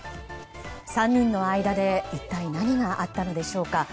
３人の間で一体何があったのでしょうか。